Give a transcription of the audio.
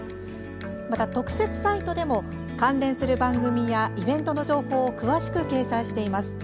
また特設サイトでも関連する番組やイベントの情報を詳しく掲載しています。